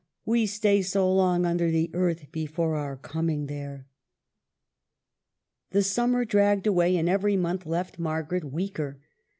we stay so long under the earth before our coming there !" The summer dragged away, and every month left Margaret weaker.